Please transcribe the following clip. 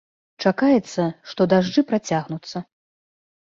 Чакаецца, што дажджы працягнуцца.